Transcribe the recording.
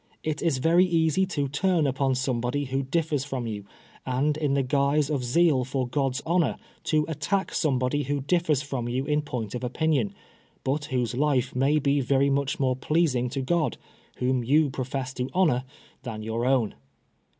It is very easy to turn upon somebody who differs from you, and in the guise of zeal for Grod's honor, to attack somebody who differs from you in point of opinion, but whose life may be very much more pleasing to God, whom you profess to honor, than your own.